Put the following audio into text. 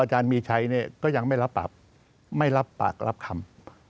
อาจารย์มีชัยเนี่ยก็ยังไม่รับปากไม่รับปากรับคำ